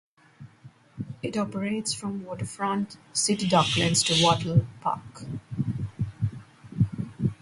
It operates from Waterfront City Docklands to Wattle Park.